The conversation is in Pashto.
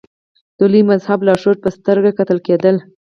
د لوی مذهبي لارښود په سترګه کتل کېدل.